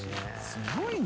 すごいよ。